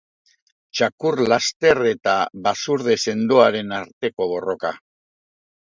Txakur laster eta basurde sendoaren arteko borroka